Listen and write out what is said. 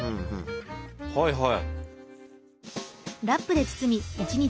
はいはい。